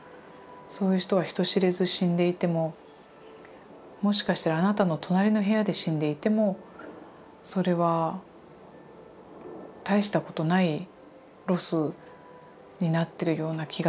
そういう人は人知れず死んでいてももしかしたらあなたの隣の部屋で死んでいてもそれは大したことないロスになってるような気がするんですよね。